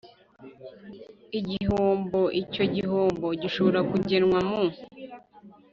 igihombo Icyo gihombo gishobora kugenwa mu